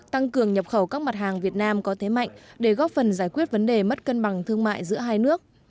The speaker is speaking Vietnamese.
tăng cường nhập khẩu các mặt hàng việt nam có thế mạnh để góp phần giải quyết vấn đề mất cân bằng thương mại giữa hai nước